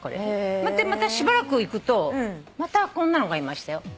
でまたしばらく行くとまたこんなのがいましたよ。